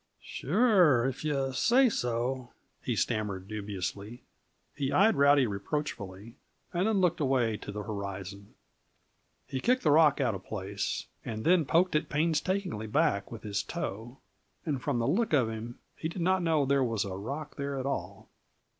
"Sure, if yuh say so," he stammered dubiously. He eyed Rowdy reproachfully, and then looked away to the horizon. He kicked the rock out of place, and then poked it painstakingly back with his toe and from the look of him, he did not know there was a rock there at all.